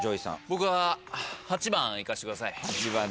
僕は８番いかしてください。